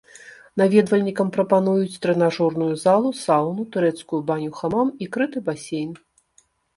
Наведвальнікам прапануюць трэнажорную залу, саўну, турэцкую баню хамам і крыты басейн.